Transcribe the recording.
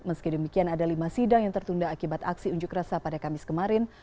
meski demikian ada lima sidang yang tertunda akibat aksi unjuk rasa pada kamis kemarin